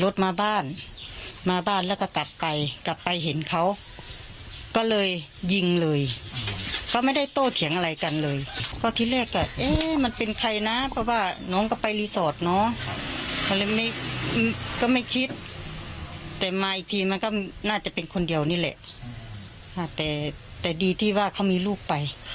แต่ดีที่ว่าเขามีลูกไป